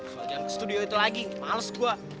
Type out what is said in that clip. soal jalan ke studio itu lagi males gua